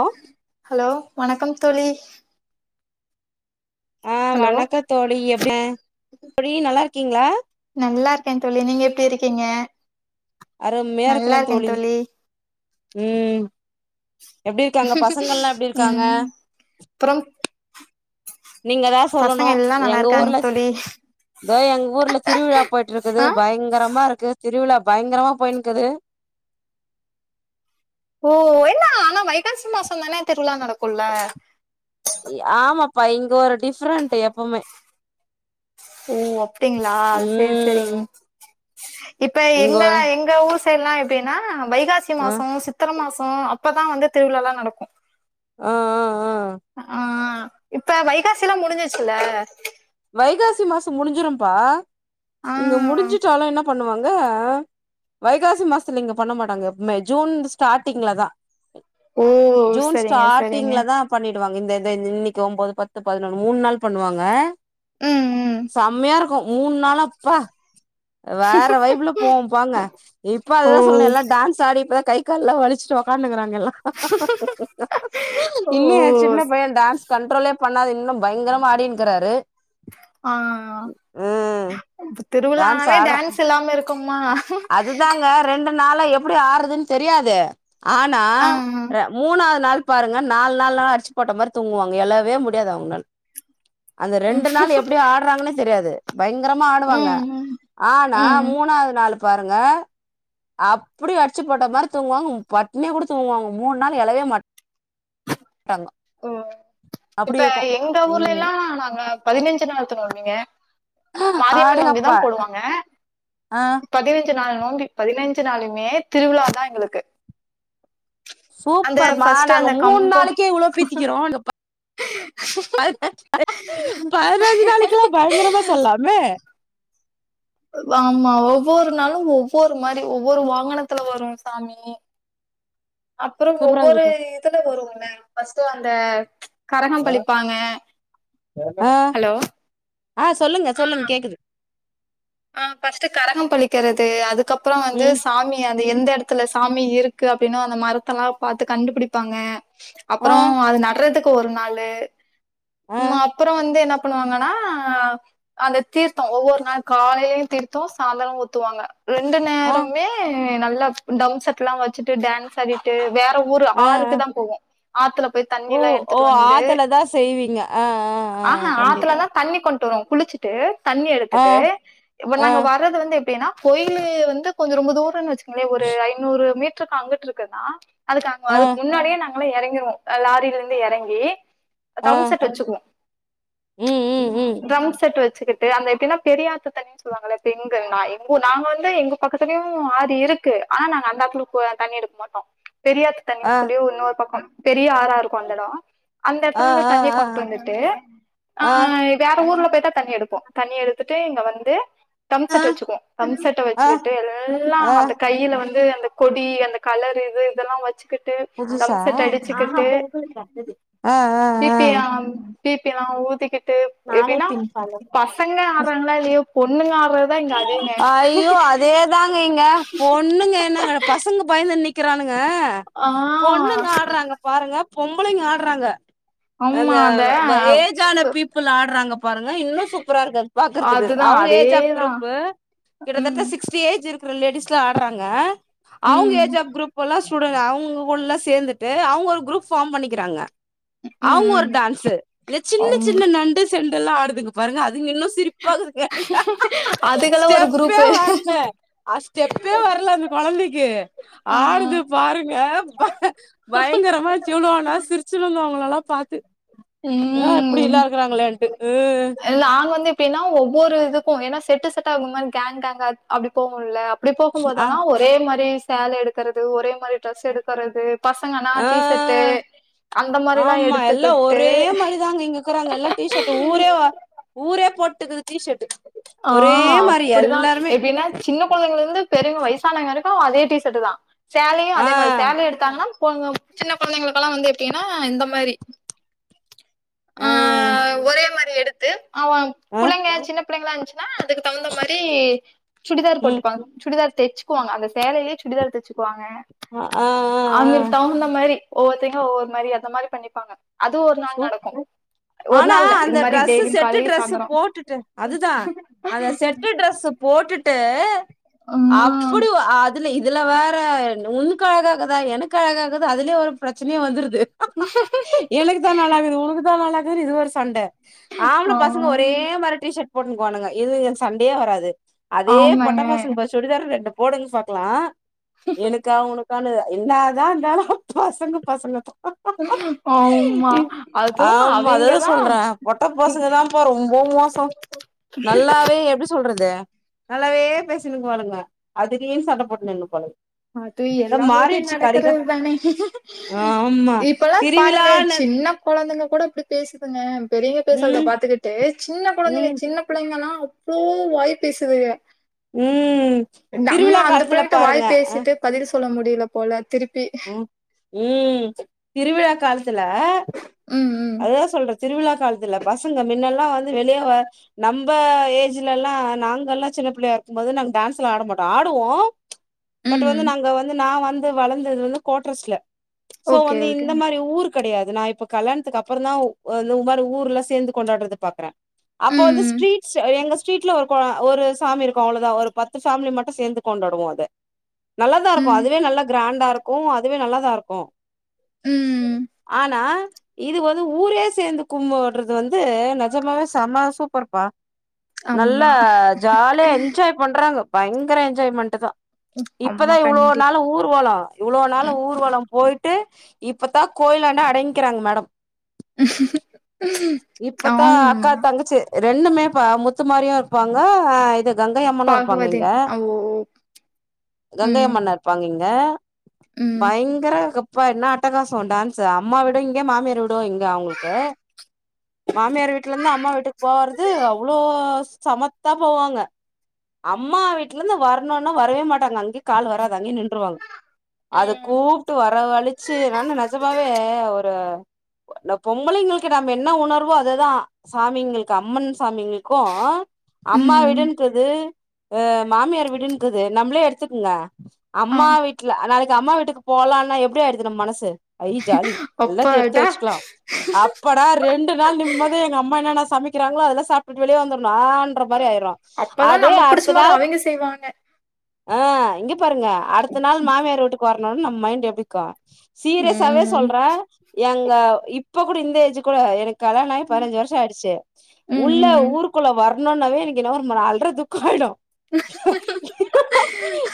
ஆஹ ஹலோ வணக்கம் தோழி ஆஹ் ஹலோ வணக்கத் தோழி எப்படி எப்படி நல்லா இருக்கீங்களா கேன் தோழி நீங்க எப்படி இருக்கீங்க அருமையா நல்லா இருக்குறேன் இருக்கே தோழி உஹம் எப்படி இருக்காங்க பசங்கள்ல்லா எப்படி இருக்காங்க ம் அப்புறம் நீங்க தான் பசங்க சொல்லணும் எல்லா நல்லா எங்க இருக்காங்க ஊர்ல தோழி இதோ எங்க ஊர்ல திருவிழா போயிட்டு இருக்குது ஆ பயங்கரமா இருக் க்கு திருவிழா பயங்கரமா போயிருக்குது ஓ என்ன ஆனா வைகாசி மாசம் தானே திருவிழா நடக்கும்ல ஆமாப்பா இங்க ஒரு டிஃப்ரெண்டட் எப்பவுமே ஓ அப்ப்டங்களா செரி ம் செரிங்க [unintelligible] இப்ப இங்க எங்க ஒரு எங்க ஊர் எல்லா எப்படின்னா வைகாசி ஆ மசோ சித்திர மாச ஆ அப்பதான் வந்து திருவிழல்லா நடக்கும் ஆ ஆ ஆ ஆஹ் இப்ப வைகாசி எல்லா முடிஞ்சச்சுல வைகாசி மசோ முடிஞ்சிரபா ஆ இங்க முடிஞ்சிட்டாலு என்னப் பண்ணுவாங்கா வைகாசி மாசத்துல இங்க பண்ண மாட்டாங்க எப்போமே ஜூன் ஸ்டார்டிங்ல தா ஓ சரிங்க சரிங்க ங்க இந்த இன்னைக்கு ஒன்பது பத்து பதினொன்னு மூணு நாள் பண்ணுவாங்க ம் ம் செம்மையா இருக்கும் மூணு நாளா அப்பா வேற வாயப்புல போவோம் போங்க இப்ப ஓ அதுதான் சொல்லண எல்லாம் டான்ஸ் ஆடி இப்பதான் கை கால்லா வலிச்சுட்டு உக்காண்ணுக்குறாங்க எல்லாம் [unintelligible] ஓ சின்ன பய டான்ஸ் கண்ட்ரோலே பண்ணாது இன்னும் பயங்கர ஆடின்கிறாரு ஆஹ் இப்ப திருவிழா டான்ஸ் நாளே ஆடுறா டான்ஸ் இல்லாம இருக்குமா ப்டி ஆடுறதுன்னு தெரியாது ஆனா ஆ ம் மூணாவது நாள் பாருங்க நாள் நாலுனா அடிச்சி போட்ட மாரி தூங்குவாங்க எலவே முடியாது அவுங்கனால ம் ரெண்டு நாள் எப்டி ஆடுறாங்கன்னே தெரியாது பயங்கரமா ஆடுவாங்க ம் ஆனா ம் மூணாவது நாலு பாருங்க அப்படி அடிச்சு போட்டமாறி தூங்குவாங்க பட்னியா கூட தூங்குவாங்க மூணு நாள் எழவே மாட் ம் இப்ப இருக்கும் எங்க உம் ஊர்லைலாம் நாங்க பதினஞ்சு நாள் த்து நோம்பிங்க மாரியம்மன் நோம்பி ஆடுங்கப்பா தான் போடுவாங்க ஆஹ் பதினஞ் சு நாளு நோம்பி பதினஞ்சு நாளுமே திருவிழா தான் எங்களுக்கு அந்த சூப்பர்மா ஃபர்ஸ்ட் நாங்க அந்த மூணு கம்போ நாளைக்கே இவ் வளோ பீத்திக்கிறோம் அந்தப் பதினஞ்சு நாளைக்குலாம் பயங்கரமா சொல்லலாமே ஆமா ஒவ்வொரு நாளும் ஒவ்வொரு மாரி ஒவ்வொரு வாகனத்துல வரும் சாமி அப்புறம் சூப்பரா ஒவ்வொரு இருக்கு இதுல வரும் ஆன் ஃபர்ஸ்ட்டு வந்த கரகம் பளிப்பாங்க ஹலோ ஆன் சொல்லுங்க சொல்லுங்க கேக்குது ஆஹ் ஃபர்ஸ்ட்டு கரகம் பளிக்கிறது அதுக்கப் ப்புறம் வந்து உம் சாமியா ந்த எந்த எடத்துல சாமி இருக்கு அப்டின்னும் அந்த மரத்தெல்லாம் பாத்து கண்டுபிடிப்பாங்க அப்புறம் ஆஹ் அது நட்றதுக்கு க்கு ஒரு நாளு ஆஹ் ம் அப்புறம் வந்து என்ன பண்ணுவாங்கன்னா அந்த தீர்த்தம் ஒவ்வொரு நாள் காலைலயும் தீர்த்தம் சாந்தரமும் ஊத்துவாங்க ரெண்டு ஆஹ் நேரமுமே மே நல்லா டம் செட்டுலாம் வச்சுட்டு டான்ஸ் ஆடிட்டு வேற ஊரு ஆஹ் ஆறுக்கு ஆஹ். தான் போவோம் ஆத்துல போய் ஓ தண்ணில்லாம் ஓ எடுத்துட்டு வந்து ஆத்துல தான் செய்வீங்க ஆஹ் ஆஹ் ஆஹ் ஆஹேன் ஆத்துல கண்டிப்பா தான் தண்ணி கொண்டு வரும் குளிச்சிட்டு தண்ணி எடுத்துட்டு ஆஹ் இப்ப நாங்க ஆஹ் வர்றது வந்து எப்டின்னா கோயுலு வந்து கொஞ்சம் ரொம்ப தூரம்னு வச்சுக் கோங்களேன் ஒரு ஐநூறு மீட் ருக்கு அங்கட்ருக்குன்னா அதுக்காம ஆஹ் அதுக்கு முன்னாடியே நாங் மளும் எறங்கிடுவோம் லாரில இருந்து எறங்கி ஆ டம் செட் வச்சுக்குவோம் ம் ம் ம் ட்ரம் செட் வச் வச்சுக்கிட்டு அங்க எப்டினா பெரியாத் னு சொல்லுவாங்களே பெண்கள் எங்க எங்க நாங்க வந்து எங்க பக்கத்துலயும் ஆறு இருக்கு ஆனா நாங்க அந்த ஆத்துல தண்ணி எடுக்க மாட்டோம் பெரியாத்து ஆ தன்னின்னு சொல்லி இன்னொரு பக்கம் பெரிய ஆரா இருக்கும் அந்த எடம் அந்த ஆ எடத்துல இருந்து ஆ தண்ணி ஆ கொண்டு வந்துட்டு ஆ வேற ஊர்ல போயி தண்ணி எடுப்போம் தண்ணி எடுத்து துட்டே இங்க வந்து து ஆ டம்செட் வச்சுக்கோம் டம்செட்டை ஆ வச்சுக்கிட்டு ஆ எல்லாம் அந்த கையில வந்து அந்த கொடி அந்த கலர் இது இதெல்லாம் வச்சுக்கிட்டு புதுசா ட்ரம் செட் ஆ பொங்க ஆ ப்பி ஆ ப பிலா ஊதிக்கிட்டு எப்படின்னா பசங்க ஆறாங்களா இல்லையோ பொண்ணுங்க ஆடுறதுதா இங்க அதிகங்க ஐயோ அதேதாங்க இங்க பொண்ணுங்க என்னங்க பசங்க பயந்துண்ணு நிக் கிராணு ங்க ஆ பொண்ணுங்க ஆட்றாங்க பாருங்க பொம்பளைங்க ஆட்றாங்க அந்த ஏஜான சு பீப்புள் ஆட்றாங்க பாருங்க இன்னும் சூப்பரா இருக்கு அத பாக்குறதுக்கு அதுதா அவங்க ஏஜ் ஆப் அதேதா குரூப் ப்ப கிட்டத்தட்ட ம் சிக்ஸ்டி ஏஜ் இருக்கு சில லேடிஸ் எலாம் ஆட்றாங்க அவங்க ம் ஏஜ் ஆப் குரூப் எல்லாம் ஸ்டூடெண்ட் அவங்கஓடலாம் சேர்ந்துட்டு அவங்க ஒரு குரூப் ஃபார்ம் பண்ணிக்கிறாங்க ம் அவங்க ஒரு ம் டான்ஸ் இந்த சின்ன அம் சின்ன நண்டு சென் எல்லா ஆடுதுங்க பாருங்க அது அதுங்க இன்னோ சிரிப்பாகதுங்க அதுக்கெல்லா ஒரு ஸ்டெப்பே குரூப்பு வர்ல அ ஸ்டெப்பே வர்ல அந்த கொழந்தைக்கு ஆ ஆடுது பாருங்க பய பயங்கரமா ட்யூலோ நேரோ சிரிச்சினுந்தோ அவுங்களல்லா பாத்து ஏ எப்டிலா இருக்கறாங்களேன்ட்டுக்கு இ நாங்க வந்து எப்டீன்னா ஒவ்வோரு இதுக்கோ ஏன்னா செட்டு செட்ட ஆகு கேங கேங்கா அப்டி போகும்ல அப்படி ஆ போகும்போதெல்லாம் ஒரே மாரியே சேல எடுக்குறது ஒரே மாரி ட்ரெஸ் எடுக்கறது பசங்கனா ஆ டீசர்ட்ட் அந்த மாதிரிலா ஆமா எல்லா எடுத்துக்கிட்டு ஒரே மாரிதாங்க இங்க இருக்குறாங்க எல்லா டீ ஷர்ட் ஊரே வ- ஊரே போட்டுக்குது டீ ஷர்ட் ஆ ஒரே மாரி அப்புடித்தா எல்லாருமே எப்டீன்னா சின்ன கொழந்தைங்க இருந்து பெருங்க வயசானவங்க வரைக்கு இப்பவும் அதே டீசர்ட்டு தா சேலையு ஆ அதே மாரி சேலய எடுத்தாங்கான [unintelligible] சின்ன கொழந்தைங்குளுக்குலா வந்து எப்டீனா இந்த மாரி ஆ ஒரே மாரி எடுத்து அவுங் ஆ புள்ளங்க சின்னப் புள்ளைகளான்ச்சு லா அதுக்கு தகுந்த மாரி சுடிதார் ம் போட்டுப்பாங்க சுடிதார் தெச்சுகுவாங்க அந்த சேலைலயே சுடிதார் தெச்சு க்குவாங்க ஆ ஆ ஆ ஆ அவங்குலுக் தகுந்த மாரி ஒவ்வொருத்தங்க ஒவ்வொரு மாரி அந்த மாரி பண்ணிப்பாங்க அதுவும் ஒரு நாள் சூ நடக்க ஆனா அந்த ட்ரெஸ் டெய்லியு செட்டு காலைலயு ட்ரெஸ் சாயந்தரோ போட்டுட்டு அதுதான் அந்த செட்டு ட்ரெஸ் போட்டுட்டு ம் அப்புடு அதுல இது இதுல வேற உன்னுக்கு அழகாகதா என்னுக்கு அழகாககுது அதுலயே ஒரு பிரச்சனையே வந்துருது எனக்கு தா [unintelligible] இது ஒரு சண்ட ஆம்பள ஆ பசங்க ஒரே மாரி டீ ஷர்ட் போட்டுனுக்வானுங்க இதுங்க சண்டையே வராது அதே பொட்ட ஆமாங்க பசங்க பாரு சுடிதாரு ரெண்டு போடுங்க பாக்கலா எனக்கா உனக்கானு என்னாதான் இருந்தாலும் பசங்க பசங்க தான் ஆமா அதுவு ஆமா அததான் அவிங்கதா சொல்றேன் பொட்ட பசங்க தான்ப்பா ரொம்ப மோசோ நல்லாவே எப்டி சொல்றது நல்லாவே பேசினுக்கு வாளுங்க அது [unintelligible] சண்ட போட்டுன்னு நின்னுபாளுங்க அது எல்லா ஊர்லயும் நடக்கறது தானே ஆமா இப்பல்லாம் பாருங்களேன் திருவிழான்னு சின்ன கொழந்தைங்க கூட அப்படி பேசுதுங்க பெரியவுங்க பேசறத ம் பாத்துக்கிட்டு சின்ன கொழந்தைங்க ம் சின்ன பிள்ளைங்க எல்லா அவ்ளோ வாய் பேசுதுக உம் நம்ம அந்த பிள்ளையிட்ட ட்ட வாய்ப் பேசிட்டு பதில் சொ சொல்ல முடியல போல திருப் உம் உஹ்ம் திருவிழா காலத்துல ம் ம் அதுதான் சொல்றது திருவிழா காலத்துல பசங்க மின்னல்லாம் வந்து வெளியே நம்ம ஏஜ்ல எல்லாம் நாங்கல்லாம் சின்ன பிள்ளையா இருக்கும் போது நாங்களா டான்ஸ்ல ஆட மாட்டோம் ஆடுவோம் பட் வந்து ம் நாங்க வந்து நான் வந்து வளர்ந்தது வந்து கோட்ரஸ்ல சோ ஓகே வந்து ஓகே இந்த மாதிரி ஊருக்கு கெடையாது நா இப்ப கல்யாணத்துக்குப்ப அப்புறம் தான் இந்த மாதிரி ஊர்லல்ல சேர்ந்து கொண்டாடுறது பாக்குறேன் அப்ப வந்து ம் ஸ்ட்ரீட் எங்க ஸ்ட்ரீட்ல ஒரு ஒரு சாமி இருக்கும் அவ்வளவுதான் ஒரு பத்து ஃபமிலி மட்டும் சேர்ந்து கொண்டாடுவோம் அத நல்ல தான் இருக்கும் ம் அதுவே நல்ல கிராண்ட் தா இருக்கும் அதுவே நல்லாதா இருக்கும் ம் ஆனா இது வந்து ஊரே சேர்ந்து கும்படுறது வந்து நஜமாவே சம சூப்பர்ப்பா நல்லா ஆமா ஜாலியா என்ஜாய் பண்றாங்க பயங்கர என்ஜாய்மெண்ட் தான் ஆமா இப்பதான் இவ்வளோ கண்டிப் நாள் ஊர்வலம் இவ்வளோ நாாள ம் ஊர்வலம் போயிட்டு இப்பதான் கோயில அடங்கிக்கிறாங்க மேடம் இப்பத்தான் ஆமா அக்கா தங்கச்சி ரெண்டுமே முத்து மாதிரியும் இருப்பாங்க இது கங்கை அம்மனும் இருப்பாங்க இங்க பாகுவதின் ஓ கங்கை ம் அம்மன் இருப்பாங்கங்க க ம் பயங்கர கப் இப்பா என்ன அட்டகாசம் டான்ஸ் அம்மா விட இங்க மாமியார வி தோ இங்க அவங்களுக்கு மாமியார் வீட்டுல இருந்து அம்மா வீட்டுக்கு போறது அவ்ளோ சமத்தா போவாங்க அம்மா வீட்டுல இருந்து வரணுனா வரவே மாட்டாங்க அங்க கால் வராது அங்கே நின்றுவாங்க அத ம் கூப்ட்டு வரவழிச்சு நனான நஜமாவே ஒரு ந பொம்பளைங்களுக்கு நம்ப என்ன உணர்வோ அதுதான் சாமிங்களுக்கு அம்மன் சாமிங்களுக்கும் அம்மா ம் வீடுன்றது அ மாமியார் வீடுன்றது நம்பளே எடுத்துக்கங்க ஆ அம்மா வீட்டுல நாளக்கி அம்மா வீட்டுக்கு போலான்னா எப்டி ஆயடுது நம் மனசு அய் ஜாலி எல்லா [unintelligible] த்து அப்பாடா வச்சுக்கலாம் அப்பாடா ரெண்டு நாள் நிம்மதியா எங்க அம்மா என்ன சமைக்கிறாங்களோ அதுலா சாப்டுடு வெளிய வந்தரு நான்ற மாரி ஆயிர்ரா அப்பதா அதே நமக்கு புடிச்ச அடுத்த மாரி நாள் அவிங்க செய்வாங்க ஆ இங்க பாருங்க அடுத்த நாள் மாமியார் வூட்டுக்கு வர னாலும் நம்ம மைண்ட் எப்டிக்கா சீரியஸாவே ம் சொல்ற எங்க இப் இப்ப கூட இந்த ஏஜ் கூட எனக் கல்லாணம் ஆயி பதினஞ்சு வருஷம் ஆயிடுச்சு ம் உள்ள ம் ஊருக்குள்ள வர னுன்னாவே எனக்கு ஏதோ ஒரு அள்ற துக்காயிடும்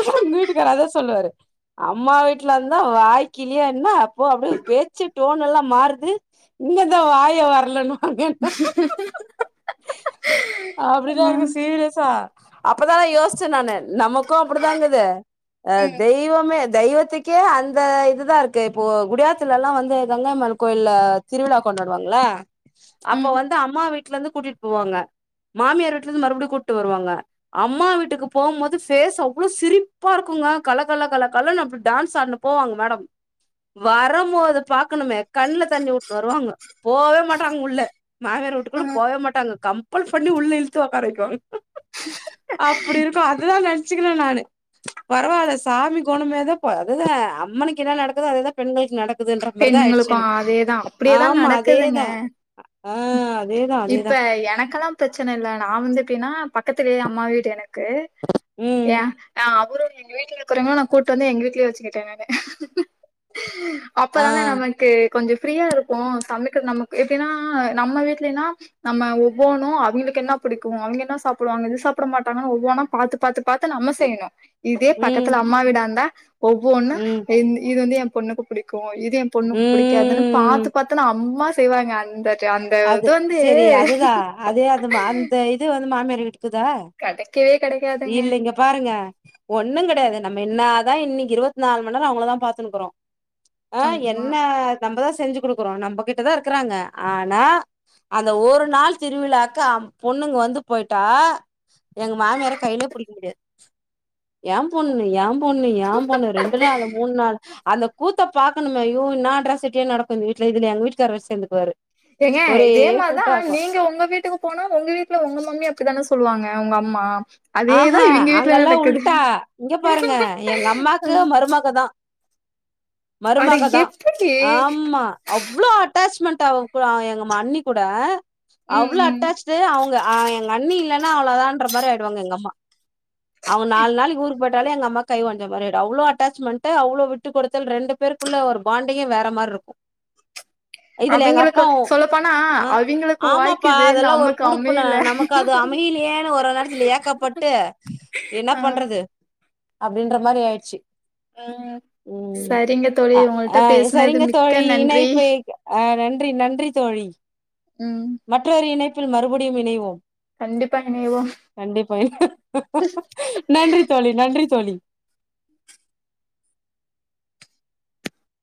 எங்க வீட்டுக்காரு அதான் சொல்லுவாரு அம்மா வீட்லருந்தா வாய்க்கிலிய என்ன பா அப்டியே ஒரு பேச்சுக் டோன் எல்லாம் மாறுது இங்கதான் வாய வரலனும் அப்டிதான் இருக்கு ம் சீரியஸா அப்பதான் யோசிச்சேன் நானு நமக்கும் அப்டிதாங்குது அ ம் தெய்வமே தெய்வத்துக்கே அந்த இதுதான் இருக்கு இப்போ குடியாத்துலலா வந்து மங்கம்மாள் கோயில்ல திருவிழா கொண்டாடுவாங்கல்ல அப்ப ம் வந்து அம்மா விட் வீட்லருந்து கூட்டிட்டு போவாங்க மாமியார் வீட்லருந்து மறுபடியும் கூட்டு வருவாங்க அம்மா வீட்டுக்கு போகும்போது ஃபேஸ் அவ்ளோ சிரிப்பா இருக்குங்களா கல கல கல கலனு அப்டி டான்ஸ் ஆடினு போவாங்க மேடம் வரம்போது பாக் பாக்கணுமே கண்ல தண்ணி வுட்டுனு வருவாங்க போவே மாட்டாங்க உள்ள மாமியாரு வூட்டுக்குள்ள ம் போவே மாட்டாங்க கம் கம்பல் பண்ணி உள்ள இழுத்து உக்கார வைக்கனும் [inaudible] அப்டி இருக்கும் அததுதான் நெனச்சுக்குனே நானு பரவால்ல சாமி கோணமேதான் இப்ப அதுதான் அம்மனுக்கு என்ன நடக்குதோ அதுதான் பெண்களுக்கு நடக்குது பெண்களுக்கும் அதேதான் அப்டியேதான் ஆமா நடக்குதுங்க அதேதா ஆ அதேதா அதேதா இப்ப எனக்கெல்லா பிரச்சன இல்ல நான் வந்து எப்டின்னா பக்கத்துலயே அம்மா வீடு எனக் இருக்கு ம் ஏன் அ அவரும் எங்க வீட்ல இருக்குறவுங்களான் நான் கூட்டு வந்து எங்க வீட்லயே வச்சுக்கிட்டேன் நானு ஆ அப்பதானா நமக்கு கொஞ்சோ ஃப்ரீயா இருக்கும் சமைக்கிற நமக்கு எப்படினா நம்ம வீட்லன்னா நம்ம ஒவ்வொண்ணும் அவுங்களுக்கு என்ன பிடிக்கும் அவுங்க என்ன சாப்பிடுவாங்க இது சாப்பிட மாட்டாங்கன்னு ஒவ்வொண்ணா பாத்து பாத்து பாத்து நம்ம செய்யணும் இதே ம் பக்கத்துல அம்மா வீடா இருந்தா [inaudible] ஒவ்வொண்ணும் ம் இந் இது வந்து எ பொண்ணுக்கு புடிக்கும் என் பொண்ணுக்கு பிடிக்காதுன்னு ம் பாத்து பாத்து நான் அம்மா செ செய்வாங்க அந்த அந்த அது இது வந்து செரி அதுதான் அதே அது அந்த இது வந்து மாமியார் விட்டுதா கெடைக்கவே கெடைக்காதுங்க இல்லைங்க பாருங்க ஒண்ணும் கிடையாது நம்ம என்ன த இன்னைக்கு இருவத்தி நாலு மணிேர அவங்களளைதான் பாத்துன்னுக்கிறோம் ஆ ஆமா என்ன நம்ம தான் செஞ்சு கொடுக்குறோம் நம்ம கிட்டதான் இருக்காறாங்க ஆ அந்த ஒரு நாள் திருவிழாக்க பொண்ணுங்க வந்து போயிட்டா எங்க மாமியார கையிலே புடிக்க முடியாது என் பொண்ணு என் பொண்ணு பொண்ணு ஏன் பொண்ணு ரெண்டு நாள் மூணு நாள் அந்த கூத்த பாக்கணுமேயும் அட்ராசிடியே நடக்கும் இந்த வீட்டுல இதுல எங்க வீட்டுக்கார வேற சேர்ந்துக்குவரு ஏங்க இதே மாதான் நீங்க உங்க வீட்டுக்கு போனா உங்க வீட்டுல உங்க மம்மி அப்படித்தானே சொ சொல்லுவாங்க உங்க அம்மா அதேதா ஆஹா இவிங்க வீட்ல அங்கல்லா நடக்குது உட்டா இங்க பாருங்க எங்க ஆ அம்மாக்கு மருமகதான் அட மருமகதான் எப்படி ஆமா அவ்வளோ அட்டாச்மெண்ட் ட்ட விட்டிருவாங்க எங்க மம்மி கூட ம் அவ்ளோ ம் அட்டாச்சு அவங்க எங்க அண்ணி இல்ல ன்னா அவளான்ற மாதிரி ஆயி டுவாங்க எங்கம்மா அவங்க நாலு நாளைக்கு ஊரு போயிட் ட்டாலே எங்க அம்மா கை உடைஞ்ச மாதிரி ஆயிடும் ‌அட்டாமெண்ட் அவளோ விட்டு கொடுத்தல் ரெண்டு பேருக்குள்ள ஒரு பாண்டி வேற மாரி இருக்கும் இதுல எங்க அவிங்களுக்கு அப்பாவும் சொல்லப்போனா ஆஹ் அவிங்களுக்கு ஆமாப்பா வாய்க்குது அதெல்லா ஒரு நமக்கு குடுப்பன அமையல நமக்கு அது அமையிலயேன்னு ஒரு வறு இதுல ஏக்கப்பட்டு என்ன ஆ பண்றது அப்படின்ற மாரி ஆயிடுச்சு ஆ. உம் சரிங்க தோழி அ உங்கள்ட்ட அ பேசுனது சரிங்க மிக்க தோழி நன்றி இணைப்பு அ நன்றி நன்றி தோழி ம் மற்றொரு இணைப்பு இணைப்பில் மறுபடியும் இணைவோம் கண்டிப்பா இணைவோம் கண்டிப்பா நன்றி தோழி நன்றி தோழி